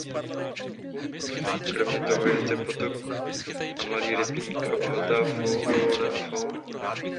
Kromě toho je zde potok a malý rybník a bohatá flóra a fauna.